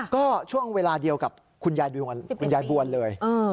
ก็ช่วงเวลาเดียวกับคุณยายคุณยายบวนเลย